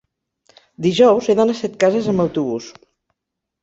dijous he d'anar a Setcases amb autobús.